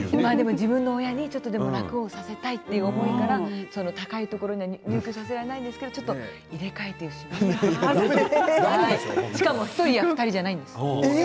自分の親にちょっとでも楽をさせたいという思いから高いところに入居させられないんですけどちょっと入れ替えてしまえというしかも１人や２人じゃないんです。